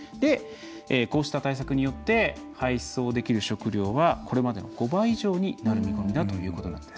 こうした対策によって配送できる食料はこれまでの５倍以上になる見込みだということなんです。